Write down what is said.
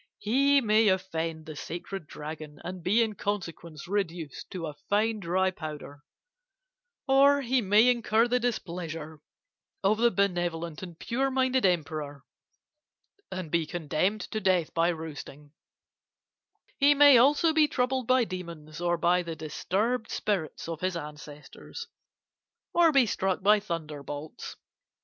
He may offend the Sacred Dragon, and be in consequence reduced to a fine dry powder; or he may incur the displeasure of the benevolent and pure minded Emperor, and be condemned to death by roasting; he may also be troubled by demons or by the disturbed spirits of his ancestors, or be struck by thunderbolts.